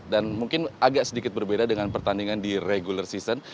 dan mungkin agak sedikit berbeda dengan pertandingan di regular season